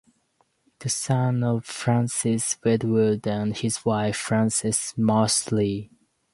The son of Francis Wedgwood and his wife Frances Mosley.